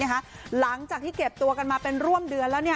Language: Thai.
หลังจากที่เก็บตัวกันมาเป็นร่วมเดือนแล้ว